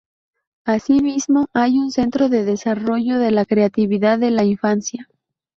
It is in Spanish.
Asimismo hay un centro de desarrollo de la creatividad de la infancia.